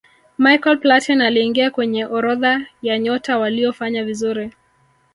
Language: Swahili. michael platin aliingia kwenye orodha ya nyota waliofanya vizuri